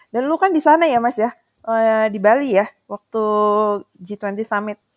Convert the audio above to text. dan lu kan di sana ya mas ya di bali ya waktu g dua puluh summit